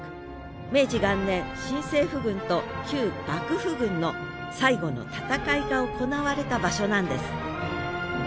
明治元年新政府軍と旧幕府軍の最後の戦いが行われた場所なんです